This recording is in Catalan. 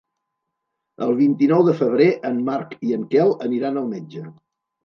El vint-i-nou de febrer en Marc i en Quel aniran al metge.